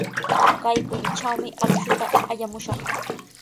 Kay puntrawmi akshuta allamushaq.